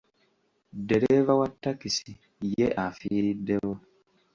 Ddereeva wa takisi ye afiiriddewo.